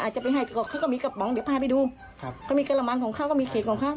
จะไปให้เขาก็มีกระป๋องเดี๋ยวพาไปดูครับเขามีกระมังของเขาก็มีเขตของเขา